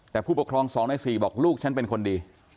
แต่ผู้ปกครอง๒ใน๔บอกลูกฉันเป็นคนดี